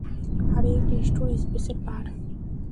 আরে এই নিষ্ঠুর স্পেসের ভাঁড়!